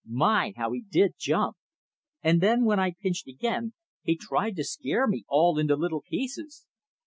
My, how he did jump! And then when I pinched again, he tried to scare me all into little pieces.